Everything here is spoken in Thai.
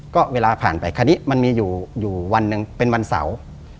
ก็เวลาผ่านไปคราวนี้มันมีอยู่วันหนึ่งเป็นวันเสาร์